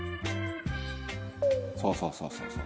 そうそうそうそうそう。